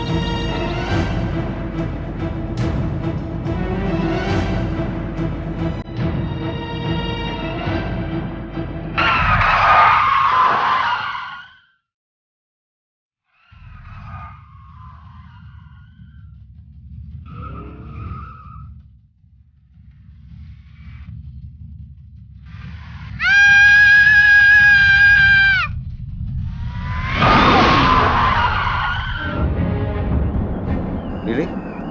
maafkan aku tuan putri